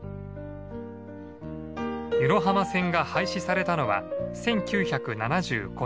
湯野浜線が廃止されたのは１９７５年。